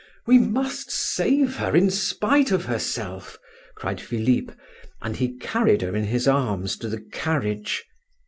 "We must save her in spite of herself," cried Philip, and he carried her in his arms to the carriage.